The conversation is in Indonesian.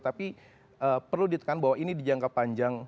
tapi perlu ditekan bahwa ini di jangka panjang